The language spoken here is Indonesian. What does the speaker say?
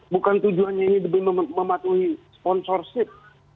bukan tujuannya ini demi mematuhi sponsorship